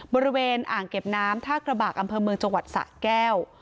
บริเวณอ่างเก็บน้ำท่ากระบากอำเภอเมืองจังหวัดสะแก้ว